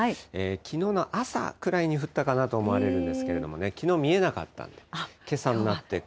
きのうの朝くらいに降ったかなと思われるんですけどね、きのう見くっきりとね。